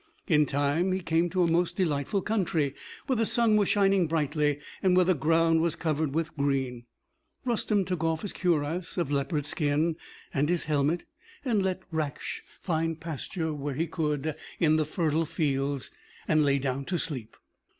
In time he came to a most delightful country, where the sun was shining brightly, and where the ground was covered with green. Rustem took off his cuirass of leopard skin, and his helmet, and let Raksh find pasture where he could in the fertile fields, and lay down to sleep.